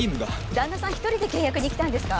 旦那さん１人で契約に来たんですか？